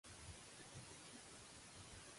Alícia Framis Martín és una artista nascuda a Mataró.